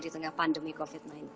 di tengah pandemi covid sembilan belas